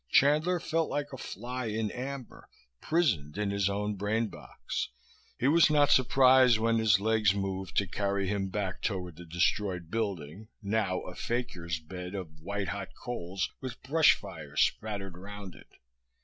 Chandler felt like a fly in amber, prisoned in his own brainbox. He was not surprised when his legs moved to carry him back toward the destroyed building, now a fakir's bed of white hot coals with brush fires spattered around it.